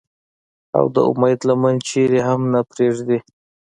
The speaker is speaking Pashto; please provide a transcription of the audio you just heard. او د اميد لمن چرته هم نۀ پريږدي ۔